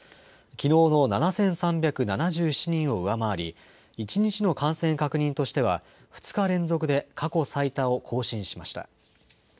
きのうの７３７７人を上回り、１日の感染確認としては、２日連続で過去最多を更新しました。